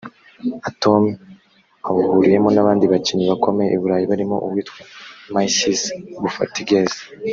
Atome awuhuriyemo n’abandi bakinnyi bakomeye i Burayi barimo uwitwa Mayiss Bouffartigues